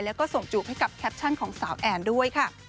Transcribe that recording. แล้วก็ส่งจูบให้กับแคปชั่นของสาวแอนด้วยค่ะ